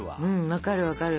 分かる分かる。